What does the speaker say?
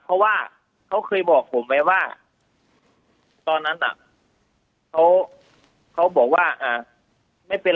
เพราะว่าเขาเคยบอกผมไว้ว่าตอนนั้นเขาบอกว่าไม่เป็น